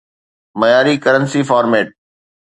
معياري currency format